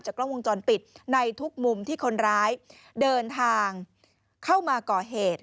กล้องวงจรปิดในทุกมุมที่คนร้ายเดินทางเข้ามาก่อเหตุ